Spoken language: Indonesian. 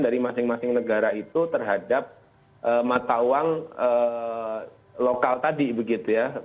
dari masing masing negara itu terhadap mata uang lokal tadi begitu ya